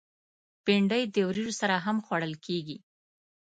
بېنډۍ له وریژو سره هم خوړل کېږي